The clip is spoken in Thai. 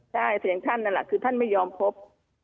ใช่เสียงท่านนั่นแหละคือท่านไม่ยอมพบ